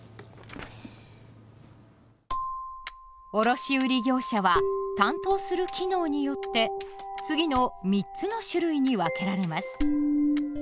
卸売業者は担当する機能によって次の三つの種類に分けられます。